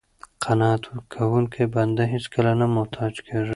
قناعت کوونکی بنده هېڅکله نه محتاج کیږي.